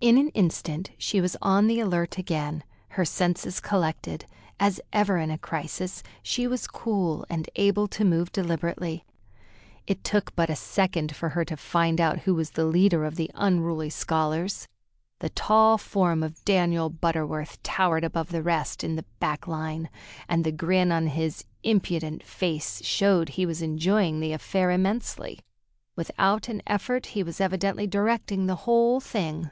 In an instant she was on the alert again, her senses collected. As ever in a crisis, she was cool and able to move deliberately. It took but a second for her to find out who was the leader of the unruly scholars. The tall form of Daniel Butterworth towered above the rest in the back line, and the grin on his impudent face showed he was enjoying the affair immensely. Without an effort, he was evidently directing the whole thing.